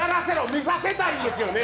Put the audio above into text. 見させたいんですよね！